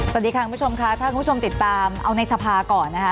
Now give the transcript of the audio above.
สวัสดีค่ะคุณผู้ชมค่ะถ้าคุณผู้ชมติดตามเอาในสภาก่อนนะคะ